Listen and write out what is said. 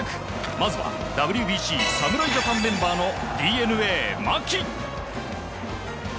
まずはＷＢＣ侍ジャパンメンバーのＤｅＮＡ、牧。